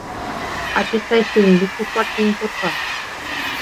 Acesta este un lucru foarte important.